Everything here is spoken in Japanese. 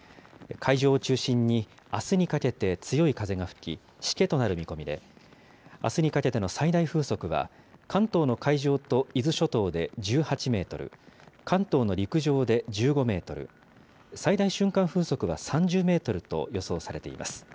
海上を中心にあすにかけて強い風が吹き、しけとなる見込みで、あすにかけての最大風速は、関東の海上と伊豆諸島で１８メートル、関東の陸上で１５メートル、最大瞬間風速は３０メートルと予想されています。